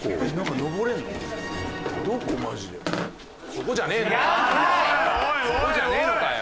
ここじゃねえのかよ。